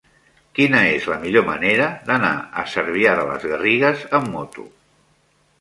Quina és la millor manera d'anar a Cervià de les Garrigues amb moto?